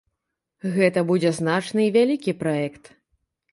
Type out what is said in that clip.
Гэта будзе значны і вялікі праект.